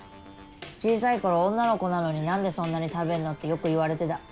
小さい頃「女の子なのに何でそんなに食べるの？」ってよく言われてた。